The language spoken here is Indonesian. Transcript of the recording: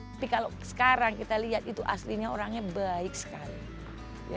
tapi kalau sekarang kita lihat itu aslinya orangnya baik sekali